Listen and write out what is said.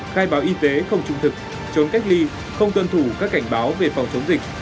khai báo y tế không trung thực trốn cách ly không tuân thủ các cảnh báo về phòng chống dịch